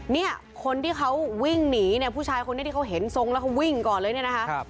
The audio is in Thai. เนี่ยคนที่เขาวิ่งหนีเนี่ยผู้ชายคนนี้ที่เขาเห็นทรงแล้วเขาวิ่งก่อนเลยเนี่ยนะคะ